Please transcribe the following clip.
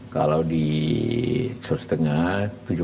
kalau di sulawesi tengah tujuh empat